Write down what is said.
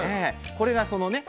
これがそのね